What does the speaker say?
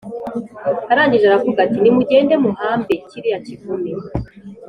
Arangije aravuga ati nimugende muhambe kiriya kivume